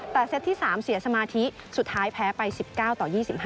แต่เซตที่๓เสียสมาธิสุดท้ายแพ้ไป๑๙ต่อ๒๕